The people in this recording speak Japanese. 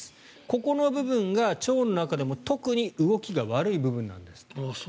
ここの部分が腸の中でも特に動きが悪い部分なんですって。